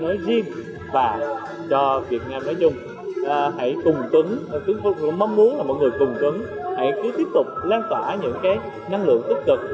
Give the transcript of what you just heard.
nói riêng và cho việt nam nói chung hãy cùng cứng chúng tôi cũng mong muốn là mọi người cùng cứng hãy cứ tiếp tục lan tỏa những cái năng lượng tích cực